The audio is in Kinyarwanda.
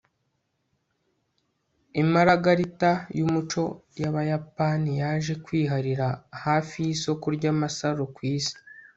Imaragarita yumuco yabayapani yaje kwiharira hafi yisoko ryamasaro kwisi